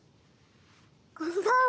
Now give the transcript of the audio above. こんばんは！